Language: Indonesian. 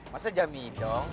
masa jami dong